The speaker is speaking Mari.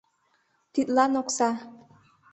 Тидлан — окса.